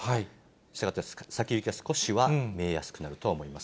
したがって、先行きは少しは見えやすくなるとは思います。